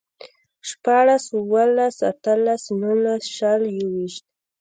شپاړس، اووهلس، اتهلس، نولس، شل، يوويشت